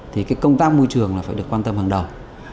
thì cái công tác môi trường là phải được quan tâm hàng đầu